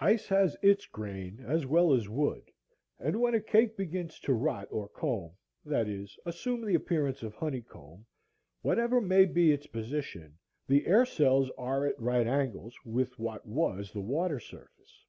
Ice has its grain as well as wood, and when a cake begins to rot or "comb," that is, assume the appearance of honey comb, whatever may be its position, the air cells are at right angles with what was the water surface.